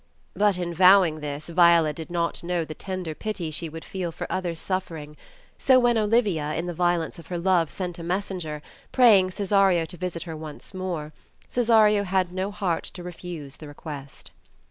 But in vowing this, Viola did not know the tender pity she would feel for other's suflfering. So when Olivia, in the violence of her love sent a messenger, praying Cesario to visit her once more. Cesario had no heart to refuse the request.